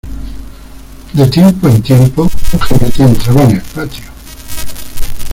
de tiempo en tiempo un jinete entraba en el patio: